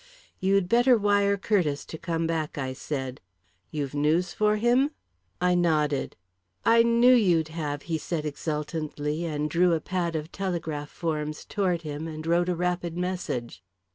"You'd better wire Curtiss to come back," I said. "You've news for him?" I nodded. "I knew you'd have!" he said exultantly, and drew a pad of telegraph forms toward him and wrote a rapid message.